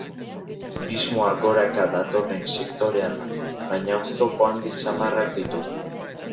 Turismoa goraka datorren sektorea da, baina oztopo handi samarrak ditu.